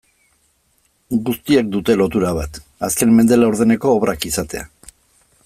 Guztiek dute lotura bat, azken mende laurdeneko obrak izatea.